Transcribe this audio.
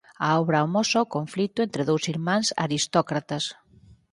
A obra amosa o conflito entre dous irmáns aristócratas.